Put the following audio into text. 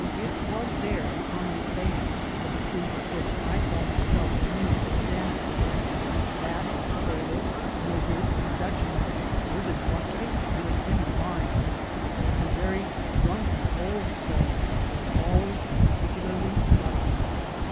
THE GOLD HUNTERS was there a common saying, of the truth of which I saw myself many examples, that sailors, niggers, and Dutchmen, were the luckiest men in the mines: a very drunken old salt was always particularly lucky.